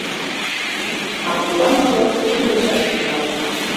А пурла мотор тӱрвынчаш тӱҥалын.